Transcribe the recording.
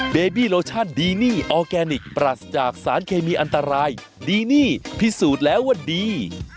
เบบี้โลชั่นดีนี่ออร์แกนิคปรัสจากสารเคมีอันตรายดีนี่พิสูจน์แล้วว่าดี